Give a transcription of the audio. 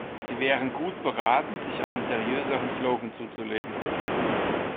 Sie wären gut beraten, sich einen seriöseren Slogan zuzulegen.